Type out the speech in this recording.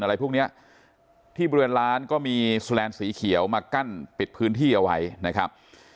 อะไรพวกเนี้ยที่บริเวณร้านก็มีแสลนด์สีเขียวมากั้นปิดพื้นที่เอาไว้นะครับ